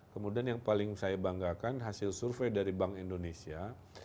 kemudian yang paling saya banggakan hasil survei dari bank indonesia